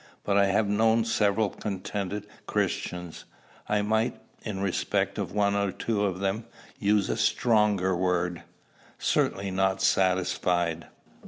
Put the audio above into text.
But I have known several contented Christians. I might, in respect of one or two of them, use a stronger word, certainly not satisfied.